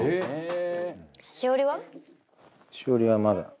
栞はまだ。